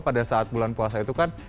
pada saat bulan puasa itu kan